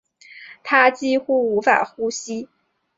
她几乎无法呼吸